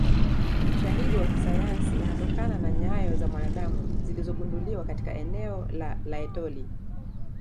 Ushahidi wa kisayansi unatokana na nyayo za mwanadamu zilizogunduliwa katika eneo la Laetoli